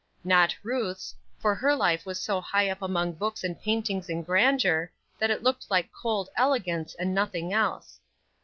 Not Ruth's, for her life was so high up among books and paintings and grandeur, that it looked like cold elegance and nothing else.